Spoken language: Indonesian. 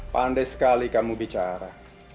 pandai sekali kamu bicara